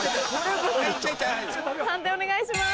判定お願いします。